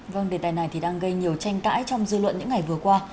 vâng đề tài này thì đang gây nhiều tranh cãi trong dư luận những ngày vừa qua